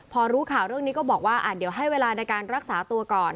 พอรู้ข่าวเรื่องนี้ก็บอกว่าเดี๋ยวให้เวลาในการรักษาตัวก่อน